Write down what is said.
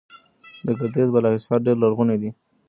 د ګردیز بالاحصار ډیر لرغونی دی